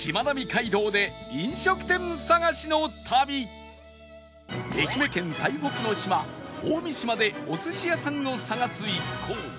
今愛媛県最北の島大三島でお寿司屋さんを探す一行